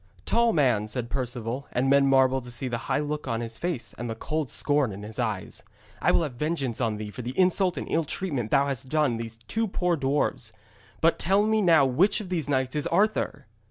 'Tall man,' said Perceval, and men marvelled to see the high look on his face and the cold scorn in his eyes, 'I will have vengeance on thee for the insult and ill treatment thou hast done these two poor dwarfs. But tell me now which of these knights is Arthur?'